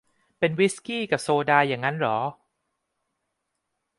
เป็นวิสกี้กับโซดาอย่างงั้นหรอ